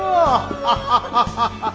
ハハハハハッ。